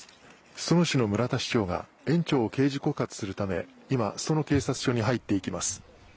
裾野市の村田市長が園長を刑事告発するため今裾野警察署に入っていきます